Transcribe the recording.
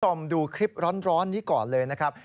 ชอบดูคลิปร้อนนี้ก่อนเลยนะครับ